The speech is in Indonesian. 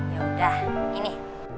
ya udah ini